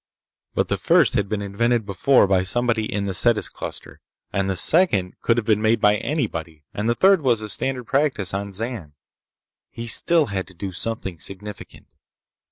But the first had been invented before by somebody in the Cetis cluster, and the second could have been made by anybody and the third was standard practice on Zan. He still had to do something significant.